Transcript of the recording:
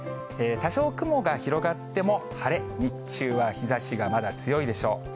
多少雲が広がっても、晴れ、日中は日ざしがまだ強いでしょう。